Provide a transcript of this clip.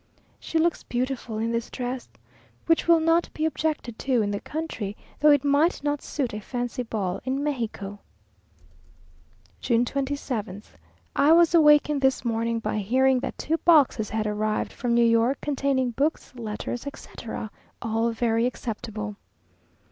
She looks beautiful in this dress, which will not be objected to in the country, though it might not suit a fancy ball in Mexico. June 27th. I was awakened this morning by hearing that two boxes had arrived from New York, containing books, letters, etc.; all very acceptable.